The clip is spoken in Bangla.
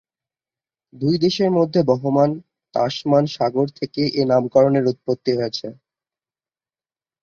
দুই দেশের মধ্যে বহমান তাসমান সাগর থেকে এ নামকরণের উৎপত্তি হয়েছে।